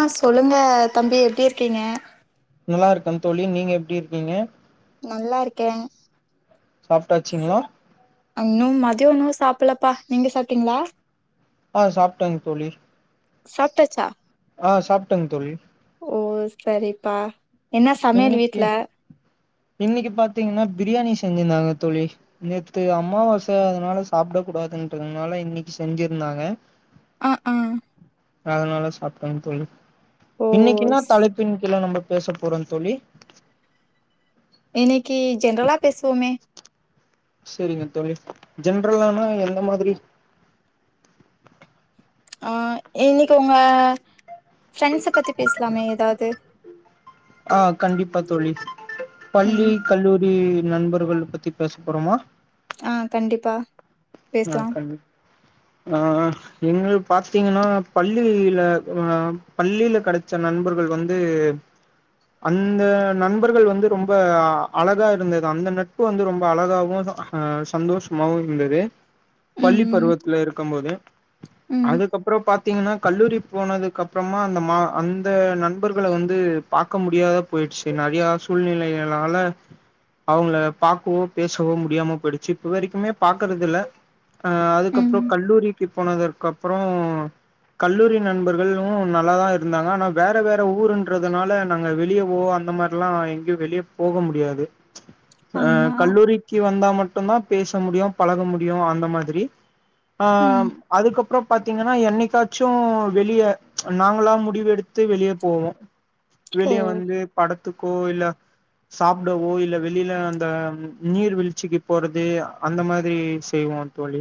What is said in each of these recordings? ஆ சொல்லுங்க தம்பி எப்டி இருக்கீங்க நல்லா இருக்கன் தோழி நீங்க எப்டி இருக்கீங்க நல்லா இருக்கேன் சாப்ட்டாச்சிங்ளா தியோனோ சாப்பலப்பா நீங்க சாப்ட்டீங்களா ஆ சாப்டங் தோழி சாப்டாச்சா ஆ சாப்டங் தோழி ஓ செரிப்பா இன்னெக்கி இன்னிக்கி பாத்தீங்கன்னா பிரியாணி செஞ்சிருந்தாங்க தோழி நேத்து அம்மாவாச அதனால சாப்ட கூடாதுன்றதுனால இன்னிக்கி செஞ்சிர்ந்தாங்க அ அ அதனால சாப்டங் தோழி ஓ இன்னைக்கென்ன ஸ்- தலைப்பின் கீழ நம்ம பேசப் போறோ தோழி இன்னக்கி ஜென்ரலா பேசுவோமே செரிங்க தோழி ஜென்ரலானா எந்த மாதிரி ஆ இன்னக்கி உங்க ஃப்ரெண்ட்ஸ பத்தி பேசலாமே ஏதாவ்து ஆ கண்டிப்பா தோழி பள்ளி ம் கல்லூரி நண்பர்கள பத்தி பேசப் போறோமா ஆ கண்டிப்பா அ பேசலாம் கண்டி ஆ எங்ளு பாத்தீங்கன்னா பள்ளியில ஆ பள்ளியில கெடச்ச நண்பர்கள் வந்து அந்த நண்பர்கள் வந்து ரொம்ப அழகா இருந்தது அந்த நட்பு வந்து ரொம்ப அழகாவு ஆ சந்தோஷமாவு இருந்தது ம் பள்ளி ம் பருவத்துல இருக்கம் போது ம் அதுக்கப்றோ பாத்தீங்கன்னா கல்லூரி போனதுக்கப்றமா அந்த மா அந்த நண்பர்கள வந்து பாக்க முடியாத போய்ட்ச்சு ந நறையா சூழ்நிலைகளால அவுங்கள பாக்கவோ பேசவோ முடியாம போய்டுச்சி இப்ப வரைக்குமே பாக்கறதில்ல ஆ அதுக்கப்றோ ம் கல்லூரிக்கி போனதற்கப்றோ கல்லூரி நண்பர்களு நல்லா தா இருந்தாங்க ஆனா வேற வேற ஊருன்றதுனால நாங்க வெளியவோ அந்த மார்லா எங்கியு வெளிய போக முடியாது ஆ ஆமா கல்லூரிக்கி வந்தா மட்டுந்தா பேச முடியு பழக முடியு அந் மாதிரி ஆ ம் அதுக்கப் பற பாத்திங்கன்னா என்னைக்காச்சு வெளிய நாங்களா முடிவெடுத்து வெளிய போவோ ஓ வெளிய வந்து படத்துக்கோ இல்ல சாப்டவோ இல்ல வெளில அந்த நீர் வீழ்ச்சிக்கு போறது அந்த மாரி செய்வோ தோழி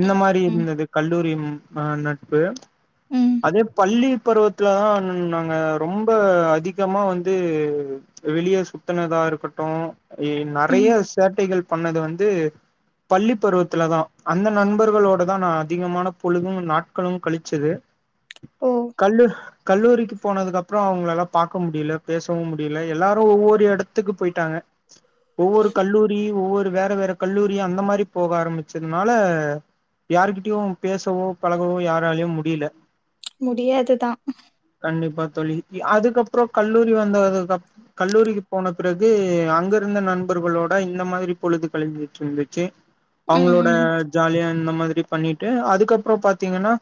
இந்த ம் மாதிரி ம் இருந்தது கல்லூரி ஆ நட்பு ம் அதே பள்ளி பருவத்துலதா நாங்க ரொம்ப அதிகமா வந்து வெளிய சுத்துனதா இருக்கட்டு நெறைய ம் சேட்டைகள் பண்ணது வந்து பள்ளி பருவத்துலதா அந்த நண்பர்களோடதா நா அதிகமான பொழுதும் நாட்களும் கழிச்சது ஓ கல்லூ கல்லூரிக்கு போனதுக்கப்றோ அவங்களல பாக்க முடில பேசவு முடில எல்லாரு ஒவ்வொரு எடத்துக்கு போயிட்டாங்க ஒவ்வொரு கல்லூரி ஒவ்வொரு வேற வேற கல்லூரி அந்த மாரி போக ஆரம்பிச் சத்னால யார்கிட்டயு பேசவோ பழகவோ யாராலயு முடில முடியாது தா கண்டிப்பா தோழி அதுக்கப்றோ கல்லூரி வந்தது கப் கல்லூரிக்கு போன பிறகு அங்கருந்த நண்பர் இவுங்களோட இந்த மாரி பொழுது கழுஞ்சிட்ருந்துச்சு ம் அவுங்களோட ம் ஜாலியா இந்த மாதிரி பண்ணிட்டு அதுக்கப்றோ பாத்தீங்கன்னா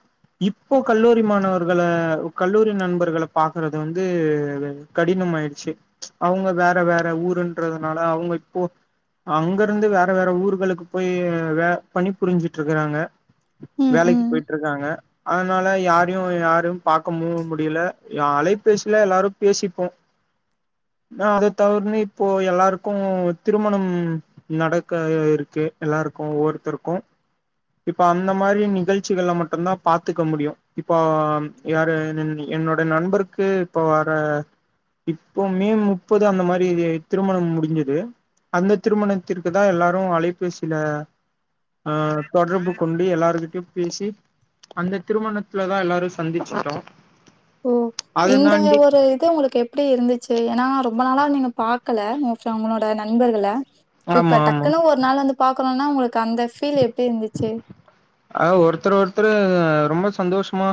இப்போ கல்லூரி மாணவர்கள கல்லூரி நண்பர்கள பாக்குறது வந்து கடின மாயிட்ச்சு அவுங்க வேற வேற ஊருன்றதுனால அவுங்க இப்போ அங்கருந்து வேற வேற ஊர்களுக்கு போய் வே பணி புரிஞ்சுட்ருக்கறாங்க ம் வேலைக்கு ம் போயிட்ருக்காங்க அதனால யாரையு யாரு பாக்கமு முடில யா அலைபேசில எல்லாரு பேசிப்போ நா அத தவுர்னு இப்போ எல்லாருக்கு திருமணம் நடக்க இருக்கு எல்லாருக் கு ஒவ்வொர்த்தருக்கு இப்ப அந்த மாரி நிகழ்ச்சிகள்ல மட்டுந்தா பாத்துக்க முடியு இப்போ யாரு நீ என்னோட நண்பருக்கு இப்போ வர இப்போ மே முப்பது அந்த மாரி திருமணம் முடிஞ்சது அந்த திருமணத்திற்கு தா எல்லாரு அலைபேசில ஆ தொடர்பு கொண்டு எல்லாருகிட்டயு பேசி அந்த திருமணத்துல தா எல்லாரு சந்திச்சிட்டோ ஓ இந்தமே ஒரு இது உங்களுக்கு எப்டிருந்துச்சு ஏன்னா ரொம்ப நாளா நீங்க பாக்கல மோஸ்ட்லி அவுங்களோட நண்பர்கள இப்ப ஆமா ஆமா டக்குன்னு ஒரு நாள் வந்து பா க்ணுனா ஒங்களுக்கு அந்த ஃபீல் எப் ஆ ஒருத்தர் ஒருத்தரு ரொம்ப சந்தோஷ்மா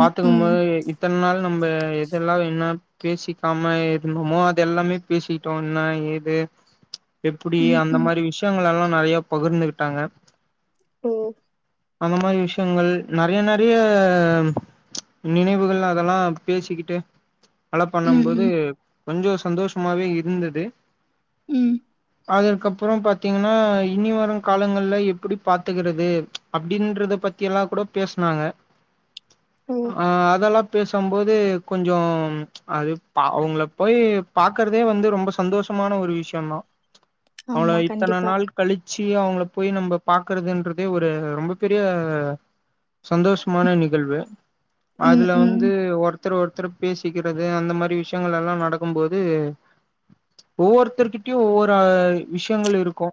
ம், ம், போது இத்தன் நாள் நம்ப எதெல்லா என்ன பேசிக்காம இருந்தோமோ அதெல்லாமே பேசிட்டோ என்ன ஏது எப்டி ம், அந்த ம். மாரி விஷயங்களல்லா நறயா பகிர்ந்துகிட்டாங்க ம் அந்த மாரி விஷ்யங்கள் நறைய நறைய நினைவுகள் அதெல்லா பேசிக்கிட்டு ஃபல பண்ணம் ம், போது ம், கொஞ்சோ சந்தோஷமாவே இருந்தது ம் அதற்க்கப்பறோபாத்தீங்கன்னா இன்னிவரு காலங்கள்ல எப்டி பாத்துக்கிறது அப்டின்றத பத்தியெல்லா கூட பேச்னாங்க ஓ! ஆ அதெல்லா பேசம்போது கொஞ்சோ அது அவுங்கள போய் பாக்கறதே வந்து ரொம்ப சந்தோஷோ மான ஒரு விஷ்யோ தா அவ்ள ஆமா, இத்தன கண்டிப்பா. நாள் கழிச்சு இ அவுங்கள போய் நம்ப பாக்குறதுன்றதே ஒரு ரொம்ப பெரிய சந்தோஷ்மான நிகழ்வு ம், அதுல ம். வந்து ஒர் த்தர் ஒருத்தர் பேசிக்கிறது அந்த மாரி விஷ்யங்களெல்லா நடக்கு போது ஒவ்வொருத்தர்கிட்டயு ஒவ்வொரு ஆ விஷ்யங்கள் இருக்கு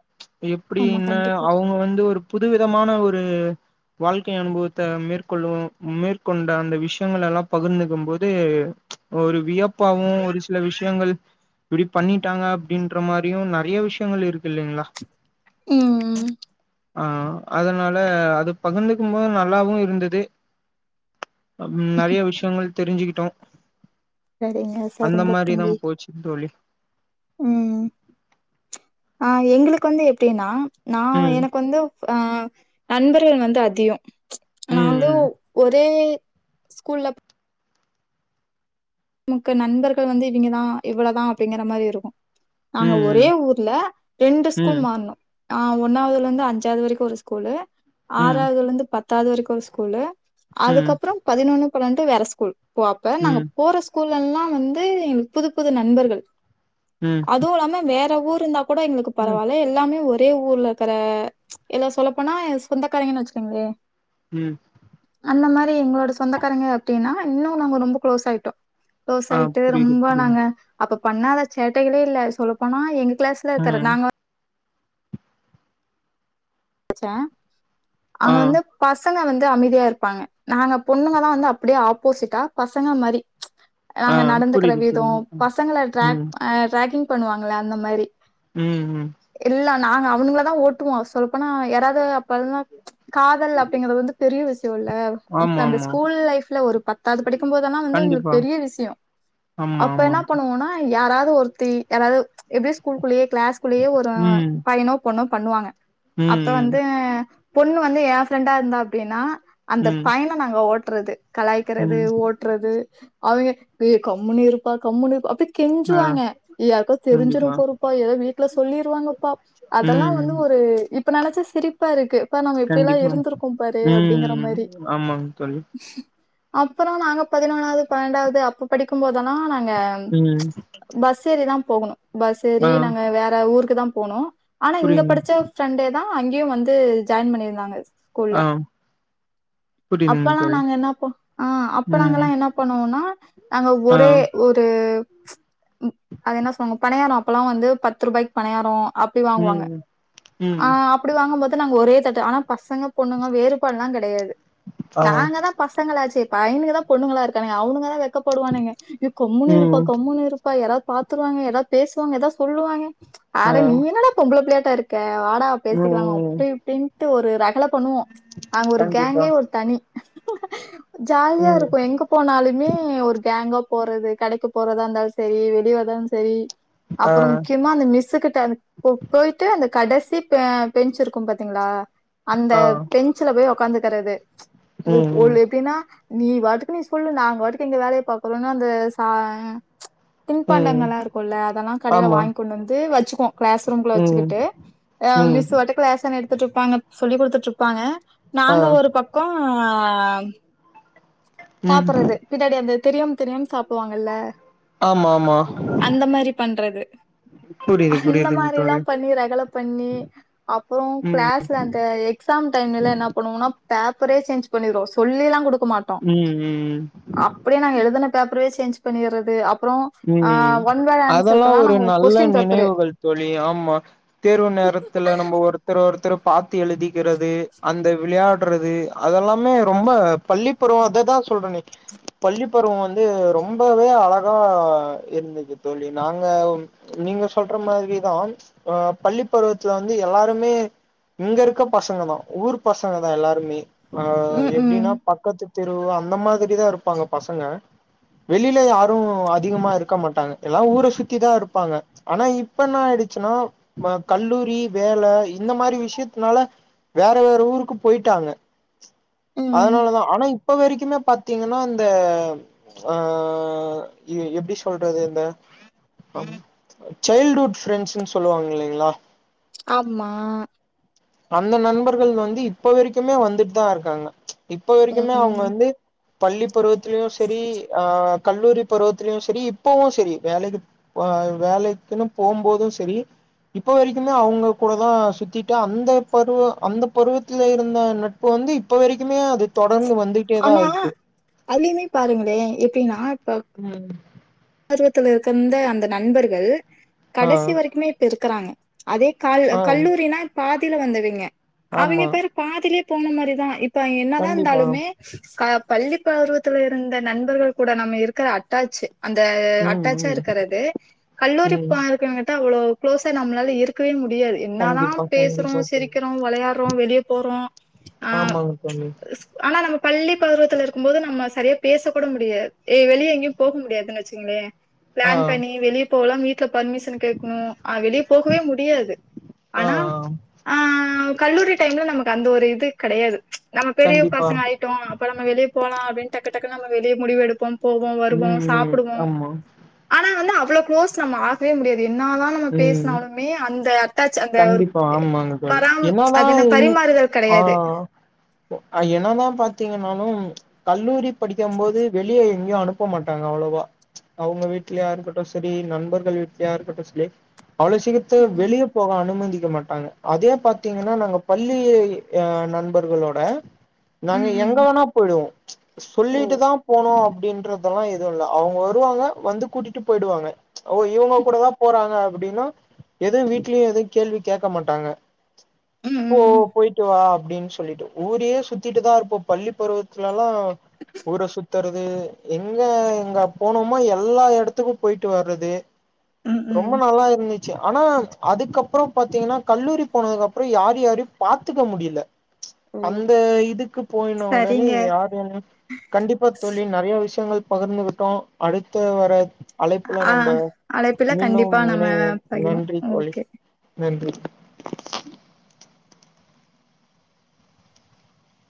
ஆமா, அப்டின்னு கண்டிப்பா. அவுங்க வந்து ஒரு புதுவிதமான ஒரு வாழ்க்கை அனுபவத்த மேற்கொள்ளு மேற்கொண்ட அந்த விஷ்யங்களெல்லா பகிர்ந்துக்கு போது ஒரு வியப்பாவு ஒரு சில விஷ்யங்கள் இப்டி பண்ணிட்டாங்க அப்டின்றமாரியு நறைய விஷ்யங்கள் இருக்கு இல்லிங்ளா ம் ம் ஆ அதனால அது பகிர்ந்துக்குபோது நல்லாவு இருந்துது ம் நறைய விஷ்யங்கள் தெரிஞ்சுக்கிட்டோ சரிங்க, அந்த சரிங்க மாரிதா தம்பி. போச்சு தோழி [inaudible] ம். ஆ எங்களுக்கு வந்து எப்டின்னா நா ம் எனக்கு வந்து ஆ நண்பர்கள் வந்து அதிகோ நா வந்து ம் ஒரே ஸ்கூல்ல நமக்கு நண்பர்கள் வந்து இவிங்கதா இவ்ளதா அப்டிங்கிற மாரி இருக்கு நாங்க ஒரே ம் ஊர்ல ரெண்டு ஸ்கூல் ம் மார்னோ ஆ ஒன்னாவதுலருந்து அஞ்சாவது வரைக்கு ஒரு ஸ்கூலு ம் ஆறாவதுலருந்து பத்தாவது வரைக்கு ஒரு ஸ்கூலு ம் ம் அதுக்கப்பறோ பதினொன்னு பன்னெண்டு வேற ஸ்கூல் ஓ அப்பதா நாங்க ம் போற ஸ்கூல்லல்லா வந்து எனக்கு புது புது நண்பர்கள் ம் ம் அதுவுயில்லாம வேற ஊர் இருந்தா கூட எங்களுக்கு ம் பரவால்ல எல்லாமே ஒரு இதே ஊர்ல இருக்கற எல்லா சொல்லப்போனா ஏ சொந்தக்காரங்கன்னு வெச்சுக்கோங்களே ம். அந்த மாரி எங்களோட சொந்தக்காரங்க அப்டின்னா இன்னு நாங்க ரொம்ப க்ளோஸ் ஆயிட்டோ க்ளோஸ் ஆ ஆயிட்டு புரியுது ரொம்ப புரியுது நாங்க அப்ப பண்ணாத சேட்டைகளே இல்ல சொல்லப்போனா எங்க கிளாஸ்ல இருக்கற ம் நாங்க வந் படிச்சே ஆ அங்க வந்து பச பசங்க வந்து அமைதியா இருப்பாங்க நாங்க பொண்ணுங்கதா வந்து அப்டியே ஆப்போசிட்டா பசங்க மாரி ஆ நாங்க நடந்துக்கிற புரியுது விதோ புரியுது பசங்கள ட்ரேக் ம் ஆ ரேக்கிங் பண்ணுவாங்கள அந்த மாரி ம் ம் இல்ல நாங்க அவனுங்களதா ஓட்டுவோ சொல்லப்போனா யாராவது அப்பல்லா காதல் அப்டிங்கறது வந்து பெரிய விஷ்யல்ல ஆமா அந்த ஆமா ஸ்கூல் லைஃப்ல ஒரு பத்தாது படிக்கும்போதல்லா வந்து எங்ளுக்கு கண்டிப்பா பெரிய விஷ்யோ ஆமா அப்ப ஆமா என்ன பண்ணுவோனா யாராது ஒருத்தி யாராவது எப்டி ஸ்கூல்குள்ளயே கிளாஸ்குள்ளயே ஒரு ம் பையனோ பொண்ணோ பண்ணுவாங்க அப்ப ம் ம் வந்து பொண்ணு வந்து ஏ ஃப்ரெண்டா இருந்தா அப்டின்னா அந்த ம் பையன நாங்க ஓட்றது கலாய்க்றது ம் ஓட்றது அவிங்க ஏ கம்முன்னு இருப்பா கம்முன்னு இருப்பா அப்டி ஆ கெஞ்சுவாங்க யார்க்கா தெரிஞ்சிர கண்டிப்பா போறப்பா ஏதோ வீட்ல சொல்லிருவாங்கப்பா அதெல்லா ம் வந்து ஒரு இப்ப நெனச்சா சிரிப் பா இருக்கு எப்பா நம்ம எப்டிலா கண்டிப்பா இருந்திருக்கோ பாரு அப்டிங்கிற ம் மாரி ஆமாங் தோழி அப்பறோ நாங்க பதினொன்னாவது பன்னண்டாவது அப்ப படிக்கும்போதல்லா நா ங்க ம் பஸ் ஏரிதா போகணு பஸ் ஏரி ஆ நாங்க வேற ஊருக்குதா போனு ஆனா இங்க புரியுதுங் படிச்ச ஃரெண்டேதா அங்கயு வந்து ஜாயின் பண்ணியிருந்தாங்க ஸ்கூல்ல ஆ புரியுதுங் அப்பல்லா தோழி நாங்க என்னா பண் ஆ அப்ப நாங்க ம் என்ன பண்ணுவோனா நாங்க ஆ ஒரே ஒரு ம் அது என்ன சொல்லுவாங்க பனியாறோ அப்பெல்லா வந்து பத்து ருபாய்க்கு பனியாறோ அப்டி வாங்குவாங்க ம் ஆ ம் அப்டி வாங்கும்போது நாங்க ஒரே தட்டு ஆனா பசங்க பொண்ணுங்க வேறுபாடு எல்லா கெடையாது ஆ நாங்கதா பசங்களாச்சே பையனுக்குதா பொண்ணுங்களா இருக்கானுக அவனுங்கதா வெக்கப்படுவானுங்க ஏ கம்முன்னு இருப்பா ம் கம்முன்னு இரு ப்பா யாராது பாத்துருவாங்க ஏதாது பேசுவாங்க ஏதாது சொல்லுவாங்க அட ஆ நீ என்னடா பொம்பள புள்ளையாட்டா இருக்க வாடா ம் பேசிக்கலா ம் அப்டி இப்டின்ட்டு ஒரு ரகள பண்ணுவோ அங்க ஒரு கண்டிப்பா கேங்கே ஒரு தனி ஜாலியா ம் இருக்கு எங்க போனாலுமே ஒரு கேங் ஆ போறது கடைக்கு போறதா இருந்தாலு செரி வெளியவரதாலு செரி ஆ அப்பறோ முக்கியமா அந்த மிஸ்சுகிட்ட அந் போ போயிட்டு அந்த கடசி பெ பெஞ்சு இருக்கு பாத்தீங்ளா அந்த ஆ பெஞ்சுல போய் ஒக்காந்துக்கிறது ஓ ம் ம் ஓல் எப்டின்னா நீ வாட்டுக்கு நீ சொல்லு நாங்க வாட்டுக்கு எங்க வேலய பாக்குறோன்னு அந்த சா ம் தின்பண்டங்கள்ளா இருக்குல்ல அதெல்லா கடேல ஆமா வாங்கி கொண்டு வந்து வச்சிக்குவோ கிளாஸ் ரூம்லகுள்ள ம் வச்சிக்கிட் ஆ ம் மிஸ் வாட்டுக்கு லெசன் எடுத்துட்டிருப்பாங்க சொல்லி் குடுத்துட்டு இருப்பாங்க ஆ நாங்க ஒரு பக்கோ ஆ ம் சாப்றது பின்னாடி அந்த தெரியாம தெரியாம சாப்டுவாங்கல்ல ஆமா ஆமா அந்த மாரி பண்றது புரியுது அந்த புரியுதுங்க மாரில்லா தோழி பண்ணி ரகள பண்ணி அப்றோ ம் கிளாஸ்ல அந்த எக்ஸாம் டைம்லல்லா என்னா பண்ணுவோனா பேப்பரயே சேஞ்ச் பண்ணிருவோ சொல்லில்லா குடுக்க மாட்டோ ம் ம் அப்டியே நாங்க எழுதுன பேப்பறவே சேஞ்ச் பண்ணிர்றது அ ம் அதல்லா ஒரு நாங்க நல்ல கொஸ்டின் பேப்பரு நினைவுகள் தோழி ஆ ம்மா தேர்வு நேரத்துல நம்ப ஒருத்தர ஒருத்தரு பாத்து எழுதிக்கிறது அந்த விளையாட்றது அதெல்லாமே ரொம்ப பள்ளி பருவோ அததா சொல்றனே பள்ளி பருவோ வந்து ரொம்பவே அழகா ஆ இருந்துச்சு தோழி நாங்கம் நீங்க சொல்ற மாதிரிதான் அ பள்ளிப்பருவத் துல வந்து எல்லாருமே இங்க இருக்க பசங்கதா ஊர் பசங்கதா எல்லாருமே அ ம் ம் எப்டினா பக்கத்து தெரு அந்த மாதிரி தா இருப்பாங்க பசங்க வெளியில யாரு அ திகமா இருக்க மாட்டாங்க எல்லா ஊர சுத்தி தா இருப்பாங்க ஆனா இப்ப என்ன ஆயிடுச்சுனா ம கல்லூ ரி வேல இந்த மாரி விஷ்யத்னால வேற வேற ஊருக்கு போயிட்டாங்க ம் அதனாலதா ஆனா இப்ப வரிக்குமே பாத்தீங்கன்னா அந்த ஆ இது எப்டி சொல்றது இந்த அம் சைல்டுஹுட் ஃரெண்ட்ஸ்ன் சொல்லுவாங் இல்லைங்ளா ஆம்மா அந்த நண்பர்கள் வந்து இப்ப வரிக்குமே வந்துட் தா இருக்காங்க இப்ப வரிக்குமே அவுங்க ம் வந்து பள்ளி பருவத்திலியு செரி அ கல்லூரி பருவத்திலியு செரி இப்பவு செரி வேலைக்கு ப அ வேலைக்குன்னு போம்போது செரி இப்ப வரிக்குமே அவுங்க கூட தா சுத்திட்டு அந் ந்த பருவோ அந்த பருவத்தில இருந்த நட்பு வந்து இப்ப வரிக்குமே அது தொ ஆனா அதிலிமே பாருங்களே எப்பிடினா இப்ப ம் பருவத்துல இருக்கந்த அந்த நண்பர்கள் ஆ கடைசி வரைக்குமே இப்ப இருக்கறாங்க அதே கால் ஆ கல்லூரினா பாதில வந்தவிங்க அவிங்க ஆமா பாரு பாதிலியே போன மாரிதா ப்ப என்னதா கண்டிப்பா இந்தாலுமே க பள்ளிப் பருவத்துல இருந்த நண்பர்கள் கூட நம்ம இருக்கிற அட்டாச்சு அந்த ம் அட்டாச்சா ம் இருக்கறது கல்லூரி ம் பார்க்க கிட்ட அவுளோ க்ளோஸா நம்ளால இருக்கவே மு டியாது என்னாதா கண்டிப்பா பேசுறோ கண்டிப்பா தோழி சிரிக்கிறோ வெளையாட்றோ வெளிய போறோ ஆ ஆமாங்க தோழி ஸ்ப் ஆனா நம பள்ளி பருவத்துல இருக்கும் போது நம்ம சரியா பேச கூட முடியாது ஏ வெளியே எங்கியும் போக முடியாதுன்னு வெச்சுக்குங்ளே ஆ பிளான் பண்ணி வெளிய போகலா வீட்ல பர்மிஷன் கேக்குணு ஆ வெளிய போகவே முடியாது ஆனா ஆ கல்லூரி டைம்ல நமக்கு அந்த ஒரு இது கெடையாது நம்ம பெரிய கண்டிப்பா பசங்க ஆயிட்டோ அப்ப நம்ம வெளிய போலா அப்டின் டக்கு டக்குன் நம்ம வெளிய முடிவு எடுப்போம் போவோ வருவோ சா ஆம்மா [unintelligible] வந்து அவ்ளோ க்ளோஸ் நம்ம ஆகவே முடியாது என்னாதா நம்ம ம் பேசுனாலுமே அந்த அட்டாச் அந்த ஒரு கண்டிப்பா டே ஆமாங்க தோழி பராம் என்னதா அதென்ன பரிமா றுதல் கெடையாது ஒ அ என்னாதா பாத்தீங்கன்னாலும் கல்லூரி படிக்கம் போது வெளியே எ ங்கியு அனுப்ப மாட்டாங்க அவ்ளவா அவுங்க வீட்லியா இருக்கட்டு சரி நண்பர்கள் வீட்லியா இருக்கட்டு சலி அவ்ளோ சீக்கித்து ம். வெளிய போக அனுமதி க்க மாட்டாங்க அதே பாத்தீங்கன்னா நாங்க பள்ளி எ நண்பர்களோட நாங்க ம், ம். எங்க வேணா போயிடுவோ ஓ! சொல்லிட்டு தா போணு அ ப்படின்றதல்லா எதுவு இல்ல அவுங்க வருவாங்க வந்து கூட்டிட்டு போயிடுவாங்க ஓ இவுங்க கூட தா போறாங்க அப்டினா எது வீட்லியு எது கேள்வி கேக்க மாட்டாங்க ம், போ ம், போயிட்டு வா அப்டின் சொல்லிட்டு ஊரயே சுத்திட்டுதா இருப்போ பள்ளி பருவத்துல ல்லா ஊர சுத்தற து எங்க எங்க போணுமா எல்லா எடத்துக்கு போயிட்டு வர்றது ம், ரொம் ம். இர்ந்திச்சி ஆனா அதுக்கப்புறோ பாத்தீங்கனா கல்லூரி போனதுக்கு அப்புறோ யாரு யாரியு பாத்துக்க முடில ஓ! அந்த இதுக்கு போய்ன உடனே சரிங்க. யார் என்ன கண்டிப்பா தோழி நெறைய விஷயங்கள் பகிர்ந்துகிட்டோ அடுத்த வர அழைப்புல ஆ நம்ம அழைப்பில மீண்டும் கண்டிப்பா நம்ம இணைவோம் பகிர்வோம். நன்றி தோழி ஓகே. நன்றி